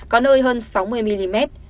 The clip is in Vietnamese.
có nơi hơn sáu mươi mm